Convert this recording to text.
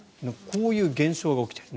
こういう現象が起きている。